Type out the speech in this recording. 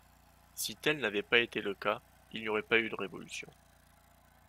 Si tel n'avait pas été le cas, il n'y aurait pas eu de révolution.